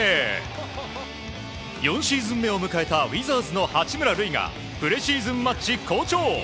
４シーズン目を迎えたウィザーズの八村塁がプレシーズンマッチ好調。